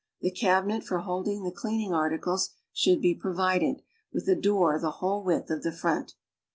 The cabinet for holding the clean ing articles should be provided with a door the whole width of the front.